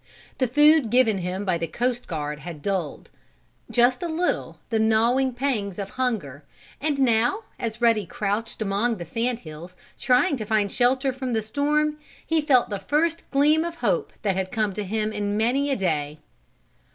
The food given him by the coast guard had dulled, just a little, the gnawing pangs of hunger, and now, as Ruddy crouched among the sand hills, trying to find shelter from the storm, he felt the first gleam of hope that had come to him in many a day.